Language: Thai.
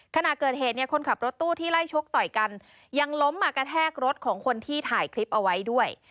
ขณะเกิดเหตุเนี่ยคนขับรถตู้ที่ไล่ชกต่อยกันยังล้มมากระแทกรถของคนที่ถ่ายคลิปเอาไว้ด้วย